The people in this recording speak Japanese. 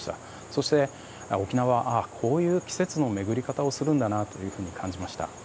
そして沖縄はこういう季節の巡り方をするんだなと感じました。